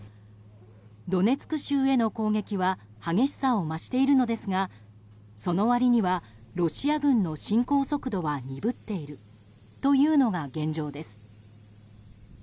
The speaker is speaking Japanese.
ドネツク州への攻撃は激しさを増しているのですがその割にはロシア軍の侵攻速度は鈍っているというのが現状です。